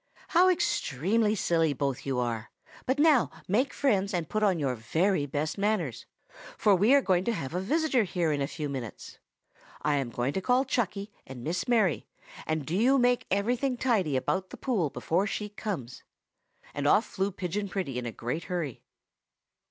"How extremely silly you both are! But now make friends, and put on your very best manners, for we are going to have a visitor here in a few minutes. I am going to call Chucky and Miss Mary, and do you make everything tidy about the pool before she comes." And off flew Pigeon Pretty in a great hurry.